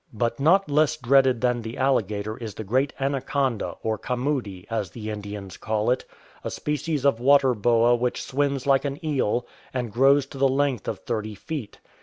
But not 233 THE SPOTTED JAGUAR less dreaded than the alligator is the great anaconda, or camudi^ as the Indians call it, a species of water boa which swims like an eel, and gi'ows to the length of thirty feet.